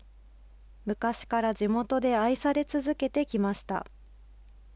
昔から地元で愛され続けてきました。